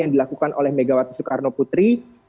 yang dilakukan oleh megawati soekarno putri